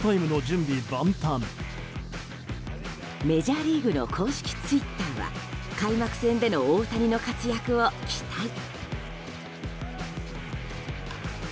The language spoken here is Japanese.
メジャーリーグの公式ツイッターは開幕戦での大谷の活躍を期待。